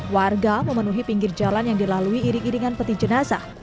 warga memenuhi pinggir jalan yang dilalui iring iringan peti jenazah